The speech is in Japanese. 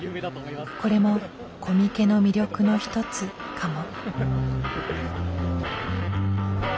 これもコミケの魅力の一つかも。